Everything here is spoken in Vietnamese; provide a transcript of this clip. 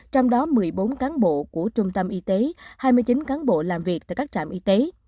trong đó một mươi bốn cán bộ của trung tâm y tế hai mươi chín cán bộ làm việc tại các trạm y tế